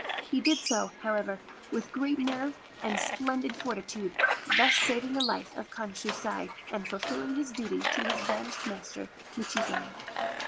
He did so, however, with great nerve and splendid fortitude, thus saving the life of Kanshusai, and fulfilling his duty to his banished master Michizane.